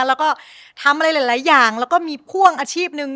แล้วก็ทำอะไรหลายอย่างแล้วก็มีพ่วงอาชีพหนึ่ง